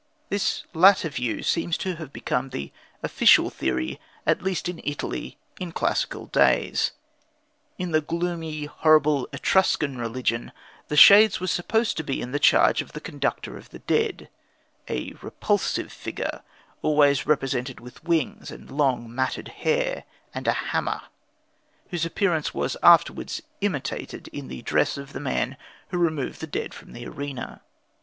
This latter view seems to have become the official theory, at least in Italy, in classical days. In the gloomy, horrible Etruscan religion, the shades were supposed to be in charge of the Conductor of the Dead a repulsive figure, always represented with wings and long, matted hair and a hammer, whose appearance was afterwards imitated in the dress of the man who removed the dead from the arena.